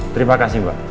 terima kasih mbak